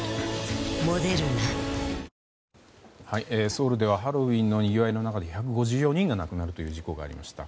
ソウルではハロウィーンのにぎわいの中で１５４人が亡くなるという事故がありました。